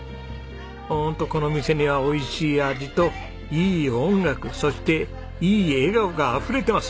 ホントこの店には美味しい味といい音楽そしていい笑顔があふれてます。